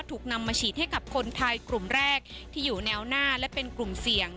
ถูกนำมาฉีดให้กับคนไทยกลุ่มแรกที่อยู่แนวหน้าและเป็นกลุ่มเสี่ยง